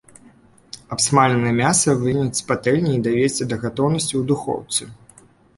Абсмаленае мяса выняць з патэльні і давесці да гатоўнасці ў духоўцы.